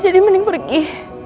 jadi mending pergi